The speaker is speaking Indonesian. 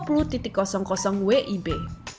boleh lihat kartu vaksinnya